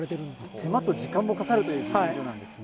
手間と時間もかかるというじねんじょなんですね。